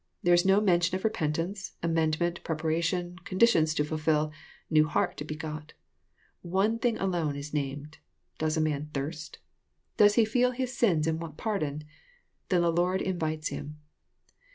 There is no mention of repentance, amendment, preparation, conditions to fulfil, new heart to be got. One thing alone is named. Does a man thirst? " Does he feel his sins and want pardon? — Then the Lord invites him.